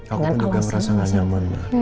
aku juga merasa gak nyaman